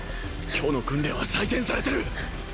今日の訓練は採点されてる。